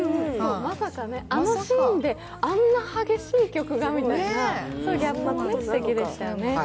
まさかあのシーンで、あの激しい曲がって、ギャップもすてきでしたよね。